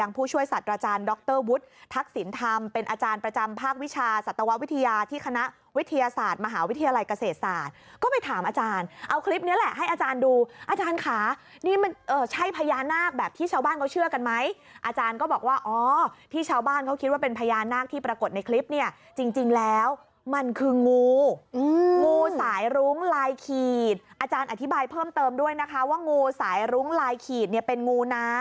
อะไรเกษตรศาสตร์ก็ไปถามอาจารย์เอาคลิปนี้แหละให้อาจารย์ดูอาจารย์ค่ะนี่มันใช่พญานาคแบบที่ชาวบ้านเขาเชื่อกันไหมอาจารย์ก็บอกว่าออที่ชาวบ้านเขาคิดว่าเป็นพญานาคที่ปรากฏในคลิปเนี่ยจริงแล้วมันคืองูงูสายรุ้งลายขีดอาจารย์อธิบายเพิ่มเติมด้วยนะคะว่างูสายรุ้งลายขีดเนี่ยเป็นงู